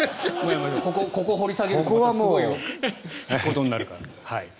ここ、掘り下げるとすごいことになるから。